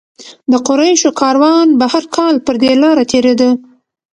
د قریشو کاروان به هر کال پر دې لاره تېرېده.